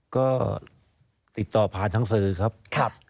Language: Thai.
ก็ติดต่อผ่านทางสื่อครับ